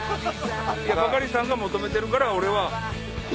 バカリさんが求めるから俺は。